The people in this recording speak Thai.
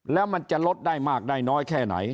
แล้วมันจะลดได้มากได้น้อยแค่ไหน